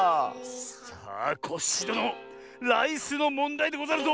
さあコッシーどのライスのもんだいでござるぞ！